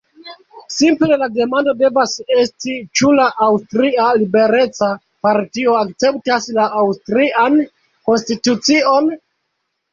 Simple la demando devas esti: ĉu la Aŭstria Libereca Partio akceptas la aŭstrian konstitucion?